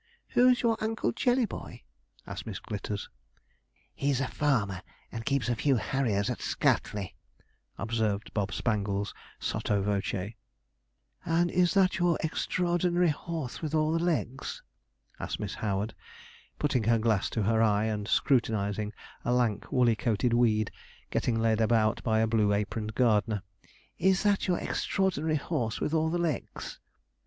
'Who's your Uncle Jellyboy?' asked Miss Glitters. 'He's a farmer, and keeps a few harriers at Scutley,' observed Bob Spangles, sotto voce. 'And is that your extraordinary horse with all the legs?' asked Miss Howard, putting her glass to her eye, and scrutinizing a lank, woolly coated weed, getting led about by a blue aproned gardener. 'Is that your extraordinary horse, with all the legs?'